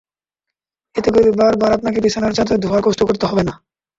এতে করে বারবার আপনাকে বিছানার চাদর ধোয়ার কষ্ট করতে হবে না।